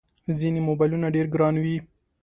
ځینې موبایلونه ډېر ګران وي.